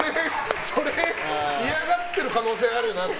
嫌がってる可能性あるなって。